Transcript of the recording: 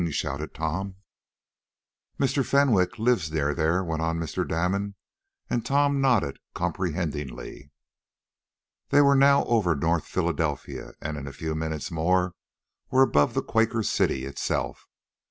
shouted Tom. "Mr. Fenwick lives near there," went on Mr. Damon, and Tom nodded comprehendingly. They were now over North Philadelphia, and, in a few minutes more were above the Quaker City itself.